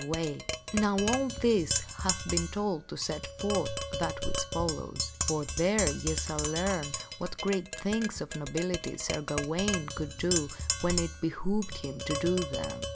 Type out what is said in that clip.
2 9 2 THE STORY OF SIR GAWAINE Now all this hath been told to set forth that which follows ; for there ye shall learn what great things of nobility Sir Gawaine could do when it behooved him to do them.